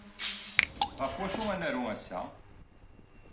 Ɣef wacu ara naru ass-a?